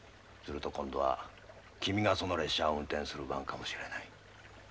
すると今度は君がその列車を運転する番かもしれない。